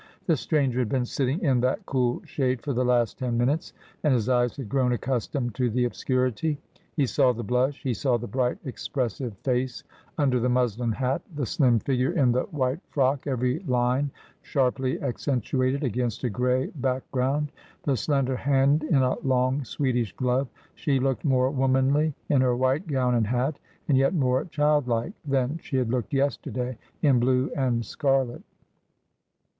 The stranger had been sitting in that cool shade for the last ten minutes, and his eyes had grown accus tomed to the obscurity. He saw the blush, he saw the bright expressive face under the muslin hat, the slim figure in the white frock, every line sharply accentuated against a gray back ground, the slender hand in a long Swedish glove. She looked more womanly in her white gown and hat — and yet more child like — than she had looked yesterday in blue and scarlet.